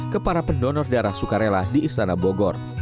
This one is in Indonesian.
kepara pendonor darah sukarela di istana bogor